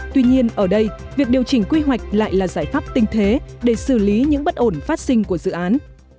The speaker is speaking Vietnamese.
tuy nhiên ở đây việc điều chỉnh quy hoạch lại là giải pháp tinh thế để xử lý những bất ổn phát sinh của dự án